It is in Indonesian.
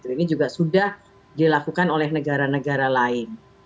ini juga sudah dilakukan oleh negara negara lain